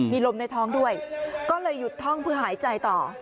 มีลมในท้องด้วยก็เลยหยุดท่องเพื่อหายใจต่อ